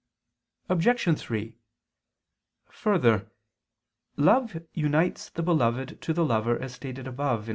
Obj. 3: Further, love unites the beloved to the lover, as stated above (A.